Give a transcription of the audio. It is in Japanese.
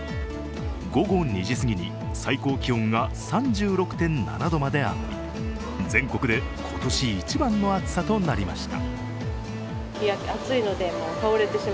午後２時すぎに最高気温が３６．７度まで上がり全国で今年一番の暑さとなりました。